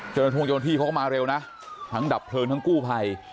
จริงที่เขาก็มาเร็วนะทั้งดับเพลิงทั้งกู้ไภ